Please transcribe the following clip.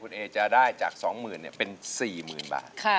คุณเอ๊จะได้จากสองหมื่นเนี่ยเป็นสี่หมื่นบาท